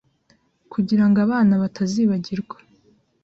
Kugira ngo abana batazibagirwa